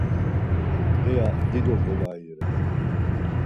Heya dido ǩolai ren.